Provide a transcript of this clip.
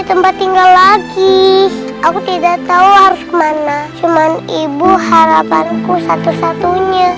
tempat tinggal lagi aku tidak tahu harus kemana cuman ibu harapanku satu satunya